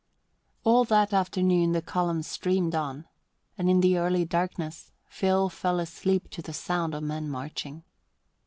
All that afternoon the column streamed on, and in the early darkness Philip fell asleep to the sound of men marching.